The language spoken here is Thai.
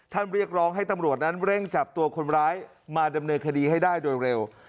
เรียกร้องให้ตำรวจนั้นเร่งจับตัวคนร้ายมาดำเนินคดีให้ได้โดยเร็ว